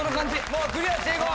もうクリアしていこう。